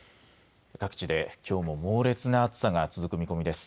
各地できょうも猛烈な暑さが続く見込みです。